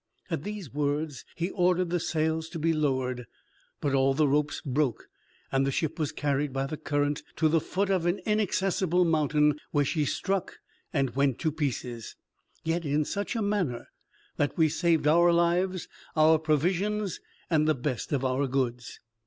At these words he ordered the sails to be lowered; but all the ropes broke, and the ship was carried by the current to the foot of an inaccessible mountain, where she struck and went to pieces; yet in such a manner that we saved our lives, our provisions, and the best of our goods.